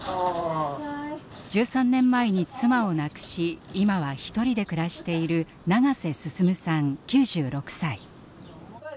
１３年前に妻を亡くし今はひとりで暮らしている長瀬進さん９６歳。